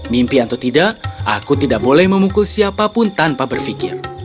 mimpi atau tidak aku tidak boleh memukul siapapun tanpa berpikir